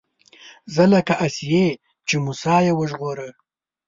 زه لکه آسيې چې موسی يې وژغوره